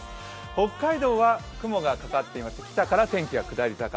北海道は雲がかかっていまして、北から天気は下り坂。